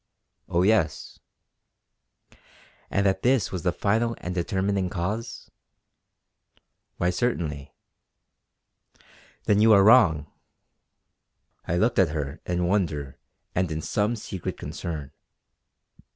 "Oh yes!" "And that this was the final and determining cause?" "Why certainly!" "Then you are wrong!" I looked at her in wonder and in some secret concern.